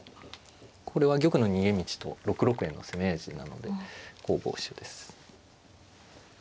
これは玉の逃げ道と６六への攻め味なので攻防手です。